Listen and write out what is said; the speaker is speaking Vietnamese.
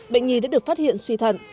bệnh nhi đã được phát hiện suy thận